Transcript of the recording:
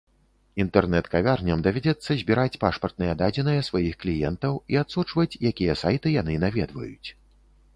Інтэрнэт-кавярням давядзецца збіраць пашпартныя дадзеныя сваіх кліентаў і адсочваць, якія сайты яны наведваюць.